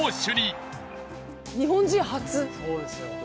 そうですよ。